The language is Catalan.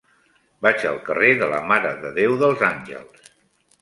Vaig al carrer de la Mare de Déu dels Àngels.